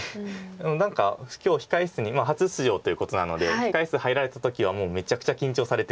何か今日控え室に初出場ということなので控え室入られた時はもうめちゃくちゃ緊張されてて。